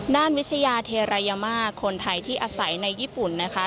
วิทยาเทรายามาคนไทยที่อาศัยในญี่ปุ่นนะคะ